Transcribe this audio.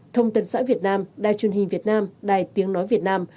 thông tân xã việt nam đài truyền hình việt nam đài tiếng nói việt nam